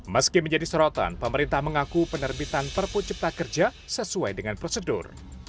meski menjadi sorotan pemerintah mengaku penerbitan perpucipta kerja sesuai dengan prosedur